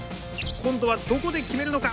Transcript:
今度はどこで決めるのか！